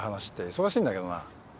忙しいんだけどな。